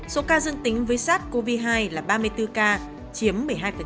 số ca dương tính với sars cov hai là ba mươi bốn ca chiếm một mươi hai